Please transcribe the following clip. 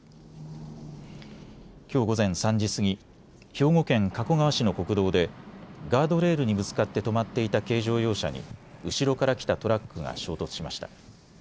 きょう午前３時過ぎ、兵庫県加古川市の国道でガードレールにぶつかって止まっていた軽乗用車に後ろから来たトラックが衝突しました。